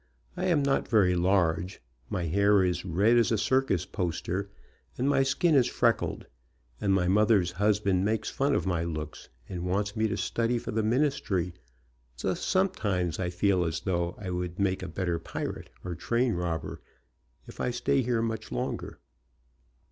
I am not very large, my hair is red as a circus poster, and my skin is freckled, and my mother's husband makes fun of my looks, and wants me to study for the ministry, though sometimes I feel as though I would make a better pi rate or train robber, if I stay here much longer.